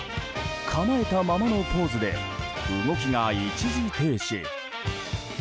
構えたままのポーズで動きが一時停止。